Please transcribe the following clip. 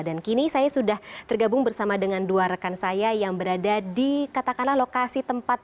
kini saya sudah tergabung bersama dengan dua rekan saya yang berada di katakanlah lokasi tempat